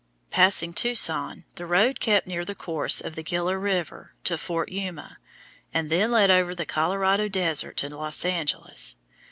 Passing Tucson, the road kept near the course of the Gila River to Fort Yuma, and then led over the Colorado Desert to Los Angeles.